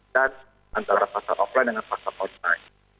dan antara pasar offline dengan pasar online